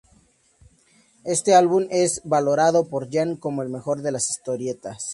Este álbum es valorado por Jan como el mejor de la historieta.